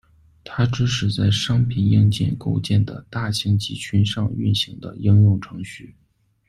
它支持在商品硬件构建的大型集群上运行的应用程序。